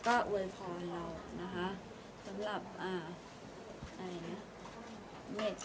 ขอบคุณนะคะสำหรับคนที่